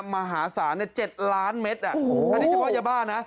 มหาศาเนี่ยเจ็ดล้านเม็ดอ่ะโอ้โหอันนี้เฉพาะยาบ้านฮะ